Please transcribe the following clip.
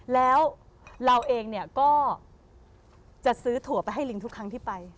แล้วเราเองเนี่ยก็จะซื้อถั่วไปให้ลิงทุกครั้งที่ไป